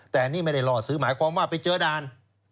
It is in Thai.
แต่นี่ไม่ได้ล่อซื้อหมายความว่าไปเจอด่าน